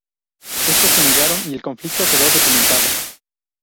Estos se negaron y el conflicto quedó documentado.